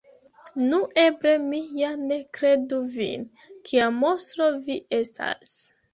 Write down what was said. Nu, eble mi ja ne kredu vin! Kia monstro vi estas!